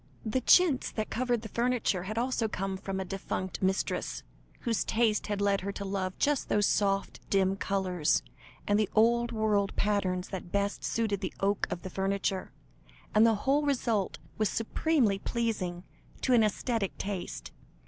The chintz that covered the furniture, had also come from a defunct mistress, whose taste had led her to love just those soft, dim colours, and the old world patterns that best suited the oak of the furniture and the whole result was supremely pleasing to an æsthetic taste.